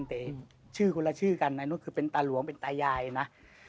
แต่ชื่อคนละชื่อกันนายนุษย์คือเป็นตาหลวงเป็นตายายนะ